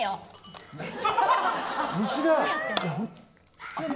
虫だ。